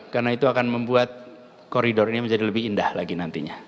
karena itu akan membuat koridor ini menjadi lebih indah lagi nantinya